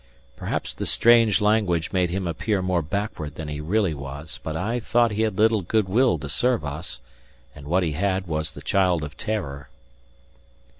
Perhaps the strange language made him appear more backward than he really was; but I thought he had little good will to serve us, and what he had was the child of terror.